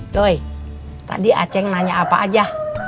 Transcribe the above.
lo tadi ceng nanya apa aja